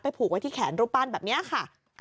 ผูกไว้ที่แขนรูปปั้นแบบนี้ค่ะ